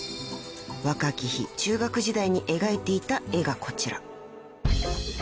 ［若き日中学時代に描いていた絵がこちら］